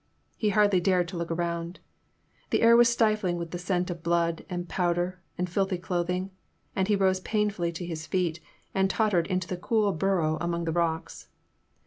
He hardly dared to look around. The air was stifling with the scent of blood and powder and filthy clothing, and he rose painfully to his feet and tottered into the cool burrow among the rocks.